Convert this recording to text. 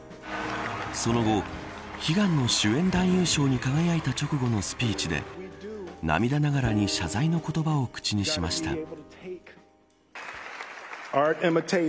その後、悲願の主演男優賞に輝いた直後のスピーチで涙ながらに謝罪の言葉を口にしました。